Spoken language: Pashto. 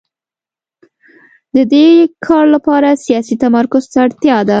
د دې کار لپاره سیاسي تمرکز ته اړتیا ده